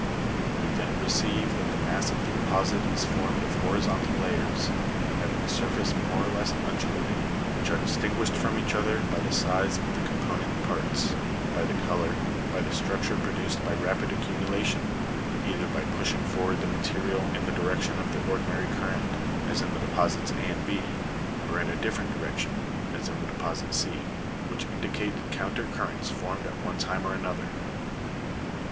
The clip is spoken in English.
We then perceive that the mass of the deposit is formed of horizontal layers, having a surface more or less undulated (Jig. 219), which are distinguished from Fig. 219. Structure of alluvions in rivers. each other by the size of the component parts, by the colour, by the structure produced by rapid accumulation, either by pushing forward the matters in the direction of the ordinary current, as in the deposits a and , or in a different direction, as in the deposit c, which indicate counter currents formed at one time or another.